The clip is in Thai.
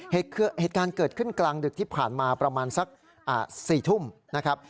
เหตุการณ์เกิดขึ้นกลางดึกที่ผ่านมาประมาณสัก๔ทุ่มนะครับ